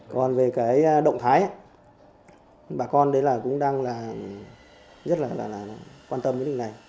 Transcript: còn về cái động thái bà con đấy là cũng đang là rất là quan tâm cái điều này